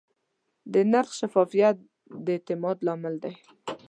د نرخ شفافیت د اعتماد لامل دی.